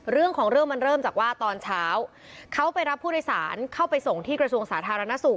เรื่องของเรื่องมันเริ่มจากว่าตอนเช้าเขาไปรับผู้โดยสารเข้าไปส่งที่กระทรวงสาธารณสุข